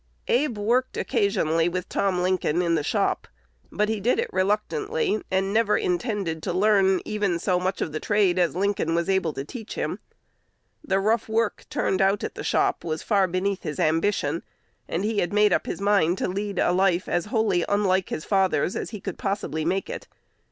Abe worked occasionally with Tom Lincoln in the shop; but he did it reluctantly, and never intended to learn even so much of the trade as Lincoln was able to teach him. The rough work turned out at that shop was far beneath his ambition, and he had made up his mind to lead a life as wholly unlike his father's as he could possibly make it.